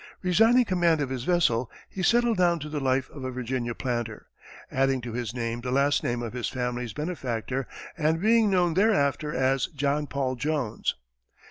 Resigning command of his vessel, he settled down to the life of a Virginia planter, adding to his name the last name of his family's benefactor, and being known thereafter as John Paul Jones.